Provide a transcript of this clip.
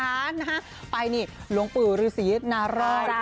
นะฮะไปนี่หลวงปู่ฤษีนารอด